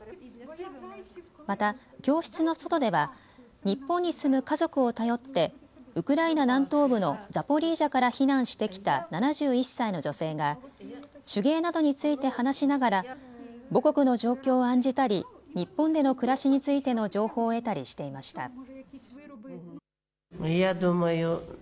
また、教室の外では日本に住む家族を頼ってウクライナ南東部のザポリージャから避難してきた７１歳の女性が手芸などについて話しながら母国の状況を案じたり日本での暮らしについての情報を得たりしていました。